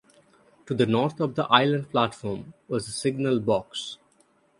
To the north of the island platform was the signal box.